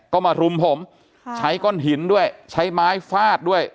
ก็มารุมผมใช้ก้อนหินด้วยใช้ไม้ฟาดด้วย